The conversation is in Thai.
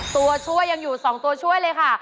ตัวช่วยยังอยู่๒ตัวช่วยเลยค่ะ